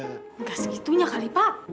nggak segitunya kali pak